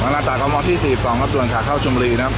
มานานต่างกับมองที่สี่ฟังครับส่วนข้าเข้าชุมบุรีนะครับ